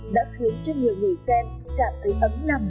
đã khiến cho nhiều người xem cảm thấy ấm lòng